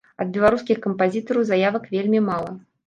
Ад беларускіх кампазітараў заявак вельмі мала.